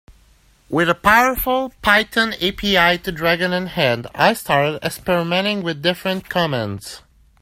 With a powerful Python API to Dragon in hand, I started experimenting with different commands.